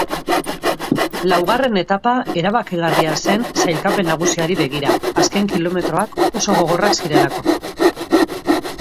Laugarren etapa erabakigarria zen sailkapen nagusiari begira, azken kilometroak oso gogorrak zirelako.